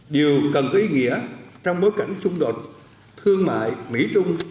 điều cần có ý nghĩa trong bối cảnh xung đột thương mại mỹ trung